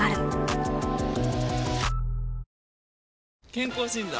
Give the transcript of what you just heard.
健康診断？